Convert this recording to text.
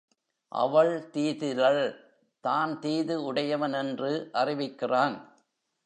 அவள் தீதிலள் தான் தீது உடையவன் என்று அறிவிக்கிறான்.